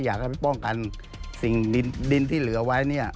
อยากให้ป้องกันสิ่งดินที่เหลือไว้